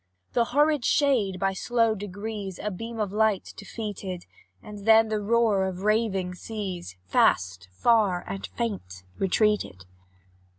The horrid shade, by slow degrees, A beam of light defeated, And then the roar of raving seas, Fast, far, and faint, retreated.